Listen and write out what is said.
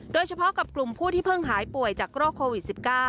โดยเฉพาะกับกลุ่มผู้ที่เพิ่งหายป่วยจากโรคโควิด๑๙